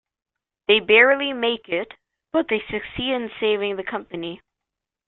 They barely make it, but they succeed in saving the company.